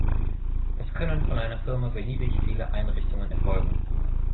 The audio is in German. Es können von einer Firma beliebig viele Einreichungen erfolgen.